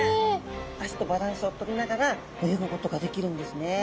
脚とバランスをとりながら泳ぐことができるんですね。